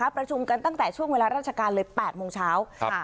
ประชุมกันตั้งแต่ช่วงเวลาราชการเลย๘โมงเช้า